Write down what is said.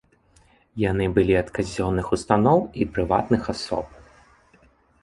Яны былі ад казённых устаноў і прыватных асоб.